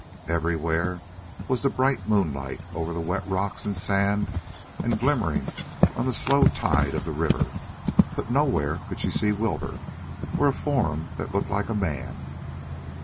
Everywhere was the bright moonlight over the wet rocks, and sand, and glimmering on the slow tide of the river, but nowhere could she see Wilbur, or a form that looked like a man.